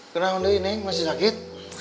kenapa neng masih sakit